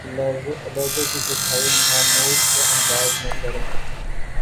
لہجوں کی چھٹائی معمول کے انداز میں کریں